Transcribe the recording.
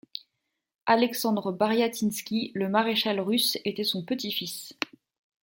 Aleksandr Baryatinsky, le maréchal russe, était son petit-fils.